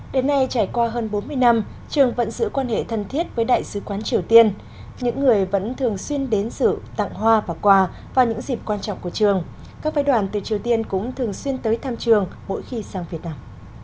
đến nay trải qua hơn bốn mươi năm trường vẫn giữ quan hệ thân thiết với đại sứ quán triều tiên những người vẫn thường xuyên đến sự tặng hoa và quà vào những dịp quan trọng của trường các phái đoàn từ triều tiên cũng thường xuyên tới thăm trường mỗi khi sang việt nam